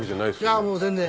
いやもう全然。